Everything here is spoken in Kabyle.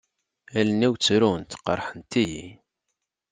Allen-iw ttrunt, qerḥent-iyi.